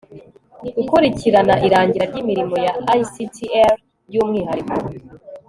gukurikirana irangira ry'imirimo ya ictr, by'umwihariko